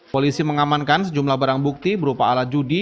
polisi mengamankan sejumlah barang bukti berupa alat judi